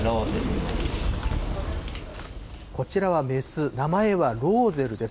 こちらは雌、名前はローゼルです。